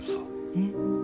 えっ？